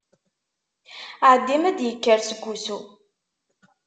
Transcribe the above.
Ɛeddi m'ad d-yekker seg usu!